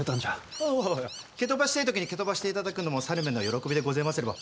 おお蹴飛ばしてぇ時に蹴飛ばしていただくのも猿めの喜びでごぜますれば。